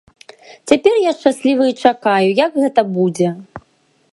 Цяпер я шчаслівы і чакаю, як гэта будзе.